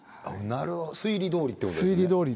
推理通りってことですね。